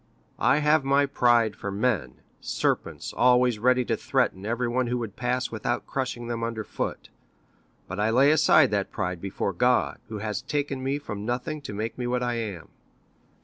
"I have my pride for men—serpents always ready to threaten everyone who would pass without crushing them under foot. But I lay aside that pride before God, who has taken me from nothing to make me what I am."